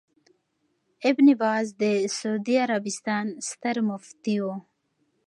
ابن باز د سعودي عربستان ستر مفتي وو